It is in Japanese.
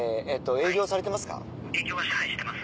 営業ははいしてます。